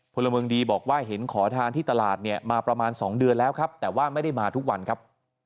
พลเมืองดีบอกว่าเห็นขอทานที่ตลาดเนี่ยมาประมาณ๒เดือนแล้วครับแต่ว่าไม่ได้มาทุกวันครับ